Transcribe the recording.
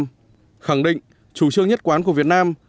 tổng bí thư nguyễn phú trọng khẳng định chủ trương nhất quán của việt nam